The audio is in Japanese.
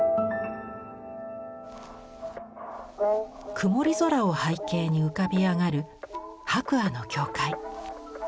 曇り空を背景に浮かび上がる白亜の教会。